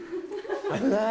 危ない。